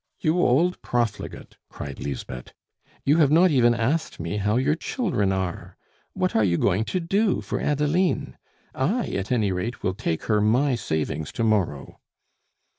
"You old profligate," cried Lisbeth, "you have not even asked me how your children are? What are you going to do for Adeline? I, at any rate, will take her my savings to morrow."